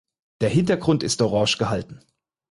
Der Hintergrund ist orange gehalten.